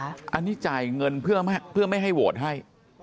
อันนี้จ่ายเงินเพื่อไม่ให้โหวตให้